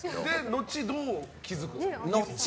後、どう気づくんですか？